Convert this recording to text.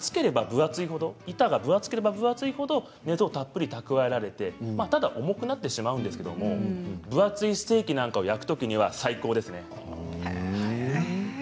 板が分厚ければ分厚いほど熱をたっぷりと蓄えられてただ重くなってしまいますが分厚いステーキを焼くときには最高です。